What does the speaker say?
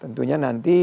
tentunya nanti eee